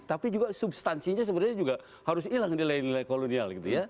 tapi juga substansinya sebenarnya juga harus hilang nilai nilai kolonial gitu ya